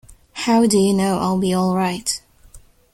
How do you know I'll be all right?